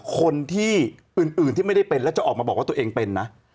คนที่อื่นที่ไม่ได้เป็นแล้วจะออกมาบอกว่าตัวเองเป็นนะ